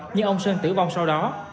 nhưng ông sơn tử vong sau đó